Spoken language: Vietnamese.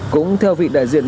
cũng theo vị đại diện